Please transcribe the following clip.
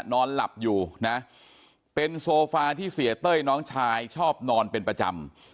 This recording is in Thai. นอนหลับอยู่นะเป็นโซฟาที่เสียเต้ยน้องชายชอบนอนเป็นประจำ